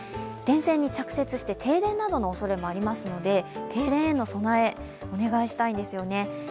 電線に着雪して停電などのおそれもありますので、停電への備え、お願いしたいんですよね。